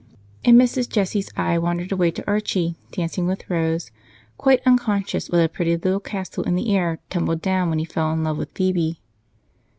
And Mrs. Jessie's eye wandered away to Archie, dancing with Rose, quite unconscious what a pretty little castle in the air tumbled down when he fell in love with Phebe.